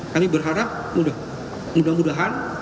kami berharap mudah mudahan